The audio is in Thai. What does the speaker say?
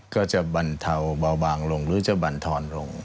ก็จะบรรเทาเบาบางลงหรือจะบรรทอนลง